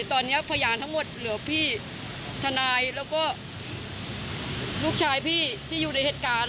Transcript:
ตอนนี้พยานทั้งหมดเหลือพี่ทนายแล้วก็ลูกชายพี่ที่อยู่ในเหตุการณ์